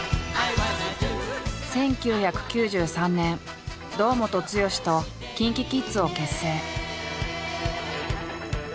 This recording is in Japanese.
１９９３年堂本剛とＫｉｎＫｉＫｉｄｓを結成。